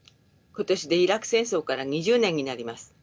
今年でイラク戦争から２０年になります。